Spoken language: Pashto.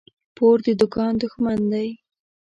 پور د دوکان دښمن دى.